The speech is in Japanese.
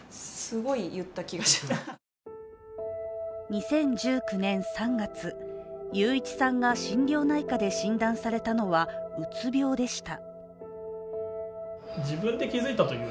２０１９年３月、勇一さんが心療内科で診断されたのは、うつ病でした。